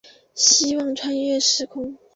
希望穿越时空